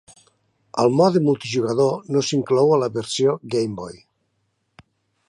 El mode multijugador no s'inclou a la versió Game Boy.